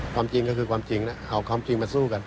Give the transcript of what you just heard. ความจริงก็คือความจริงนะเอาความจริงมาสู้กัน